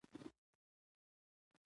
تاریخ مو له ویاړه ډک دی.